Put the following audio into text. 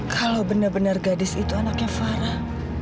kalau benar benar gadis itu anaknya farah